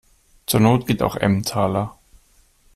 Zur Not geht auch Emmentaler.